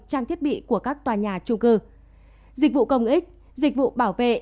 trang thiết bị của các tòa nhà trung cư dịch vụ công ích dịch vụ bảo vệ